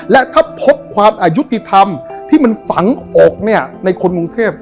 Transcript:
และถ้าพบความอายุติธรรมที่มันฝังอกเนี่ยในคนกรุงเทพ